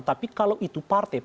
tapi kalau itu partai